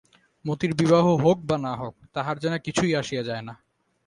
মতির বিবাহ হোক বা না হোক তাহার যেন কিছুই আসিয়া যায় না।